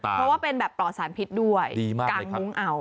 เพราะว่าเป็นแบบปลอดสารพิษด้วยกางมุ้งเอา